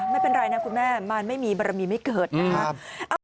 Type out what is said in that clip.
ไม่เป็นไรนะคุณแม่มารไม่มีบรมีไม่เกิดนะครับ